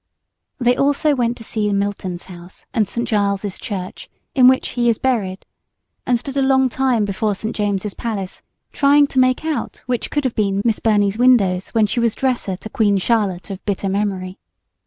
They also went to see Milton's house and St. Giles Church, in which he is buried; and stood a long time before St. James Palace, trying to make out which could have been Miss Burney's windows when she was dresser to Queen Charlotte of bitter memory.